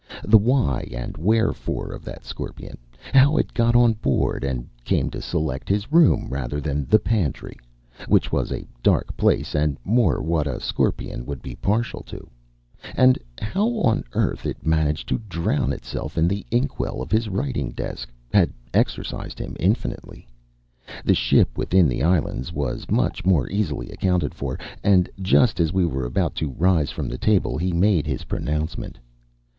The why and the wherefore of that scorpion how it got on board and came to select his room rather than the pantry (which was a dark place and more what a scorpion would be partial to), and how on earth it managed to drown itself in the inkwell of his writing desk had exercised him infinitely. The ship within the islands was much more easily accounted for; and just as we were about to rise from table he made his pronouncement.